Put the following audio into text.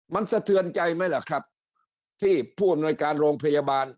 มันสะเทือนใจไหมล่ะครับที่ผู้อำนวยการโรงพยาบาล